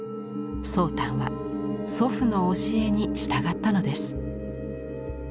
宗旦は祖父の教えに従ったのです。